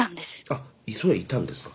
あっそれはいたんですか。